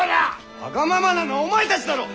わがままなのはお前たちだろう！